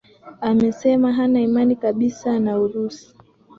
amesema hana imani kabisa na urusi